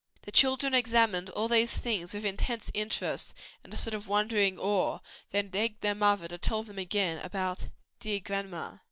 The children examined all these things with intense interest and a sort of wondering awe, then begged their mother to tell them again about "dear grandma."